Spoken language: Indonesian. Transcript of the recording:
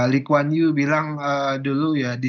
likuan yu bilang dulu ya